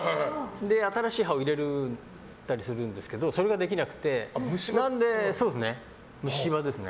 新しい歯を入れたりするんですけどそれができなくて、虫歯ですね。